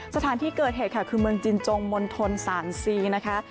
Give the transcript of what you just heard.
สถานที่เกิดเหตุค่ะคือเมืองจินจงมณฑลสารซีนะคะ